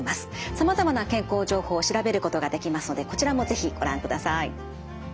さまざまな健康情報を調べることができますのでこちらも是非ご覧ください。